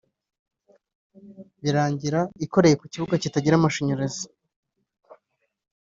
birangira ikoreye ku kibuga kitagira amashanyarazi